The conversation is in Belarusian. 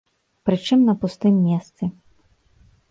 Прычым на пустым месцы.